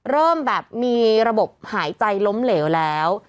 เริ่มแบบมีระบบหายใจล้มเหลวแล้ว